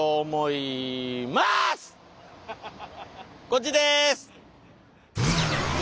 こっちです！